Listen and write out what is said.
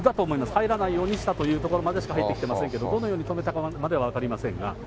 入らないようにしたというところまでしか入ってきてませんけれども、どのように止めたかまでは分かりませんが。